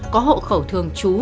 có hộ khẩu thường chú